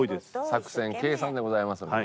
作戦計算でございますので。